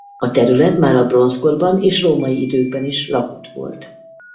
A terület már a bronzkorban és római időkben is lakott volt.